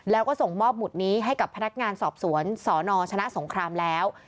แล้วก็ส่งมอบหมุดนี้ให้กับพนักงานสอบสวนสนชนะสงครามแล้ว